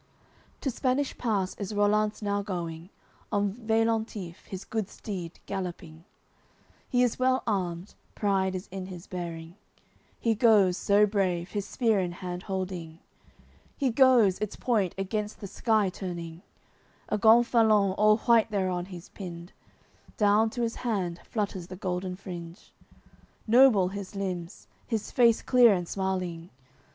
AOI. XCI To Spanish pass is Rollanz now going On Veillantif, his good steed, galloping; He is well armed, pride is in his bearing, He goes, so brave, his spear in hand holding, He goes, its point against the sky turning; A gonfalon all white thereon he's pinned, Down to his hand flutters the golden fringe: Noble his limbs, his face clear and smiling.